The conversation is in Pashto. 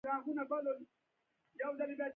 انتوني دي سېنټ وایي ښه شیان په زړه احساسېږي.